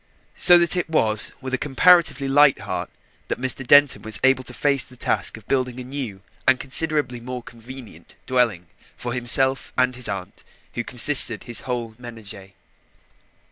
So that it was with a comparatively light heart that Mr. Denton was able to face the task of building a new and considerably more convenient dwelling for himself and his aunt who constituted his whole ménage.